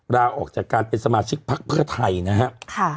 ลาออกจากการเป็นสมาชิกพักเพื่อไทยนะครับ